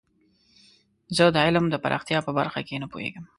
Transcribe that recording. زه د علم د پراختیا په برخه کې نه پوهیږم.